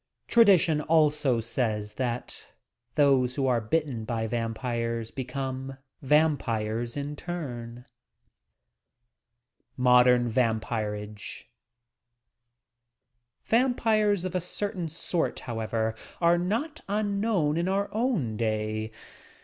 Tradition also says that those who are bitten by vampires become vam pires in turn, MODERN VAMPIRAOE Vampires of a certain sort, however, are not unknown in our own day.